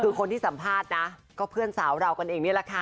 คือคนที่สัมภาษณ์นะก็เพื่อนสาวเรากันเองนี่แหละค่ะ